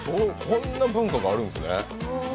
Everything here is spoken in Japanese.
こんな文化があるんですね。